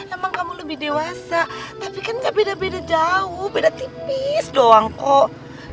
emang kamu lebih dewasa tapi kan gak beda beda jauh beda tipis doang kok